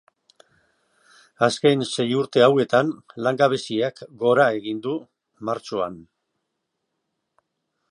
Azken sei urte hauetan, langabeziak gora egin du martxoan.